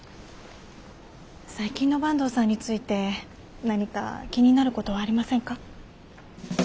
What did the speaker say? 最近の坂東さんについて何か気になることはありませんか？